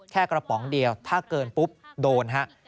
แค่กระป๋องเดียวถ้าเกินปุ๊บโดนฮะ